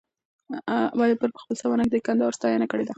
بابر په خپله سوانح کي د کندهار ستاینه کړې ده.